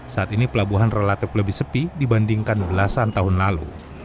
saat ini pelabuhan relatif lebih sepi dibandingkan belasan tahun lalu